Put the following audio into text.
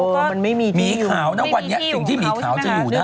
ไม่มีที่อยู่ไม่มีที่อยู่ของเขาใช่ไหมครับมีขาวในวันนี้สิ่งที่มีขาวจะอยู่ได้